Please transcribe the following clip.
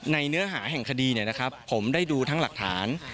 ในเนื้อหาแห่งคดีเนี่ยนะครับผมได้ดูทั้งหลักฐาน